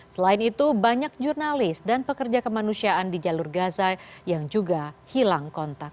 selain itu banyak jurnalis dan pekerja kemanusiaan di jalur gaza yang juga hilang kontak